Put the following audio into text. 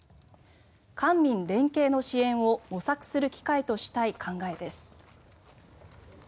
官民連携の支援を模索する機会としたい考えです。